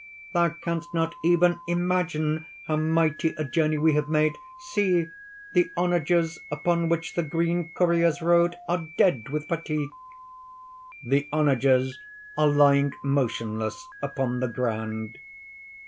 "Thou canst not even imagine how mighty a journey we have made. See! the onagers upon which the green couriers rode are dead with fatigue!" (_The onagers are lying motionless upon the ground.